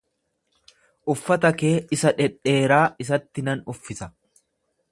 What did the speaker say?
Uffata kee isa dhedheeraa isatti nan uffisa.